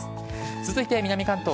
続いて南関東。